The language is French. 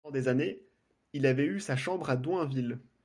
Pendant des années, il avait eu sa chambre à Doinville.